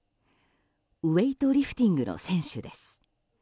ウエイトリフティングの選手です。